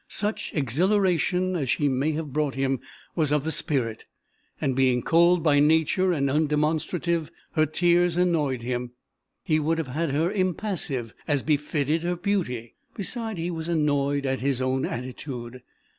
Such exhilaration as she may have brought him was of the spirit, and being cold by nature and undemonstrative, her tears annoyed him. He would have had her impassive, as befitted her beauty. Beside, he was annoyed at his own attitude.